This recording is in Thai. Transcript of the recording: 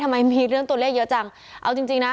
มันมีเรื่องตัวเลขเยอะจังเอาจริงจริงนะ